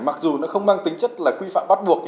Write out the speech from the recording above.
mặc dù nó không mang tính chất là quy phạm bắt buộc